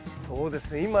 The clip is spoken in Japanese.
そうですね